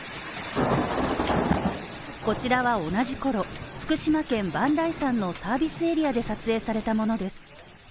こちらは同じ頃、福島県磐梯山のサービスエリアで撮影されたものです。